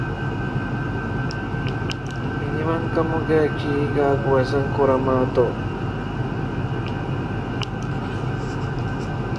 ރަސްގެފާނުގެ މިބޮޑާ ބަސްފުޅުތައް އަހާފައި ހުރިހާ މީހުން ބިރުން ހަމަހިމޭނުން ތިވި